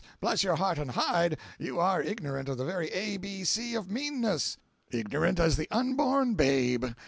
Bless your heart and hide, you are ignorant of the very A B C of meanness! ignorant as the unborn babe!